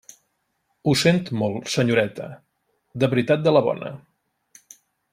Ho sent molt, senyoreta; de veritat de la bona.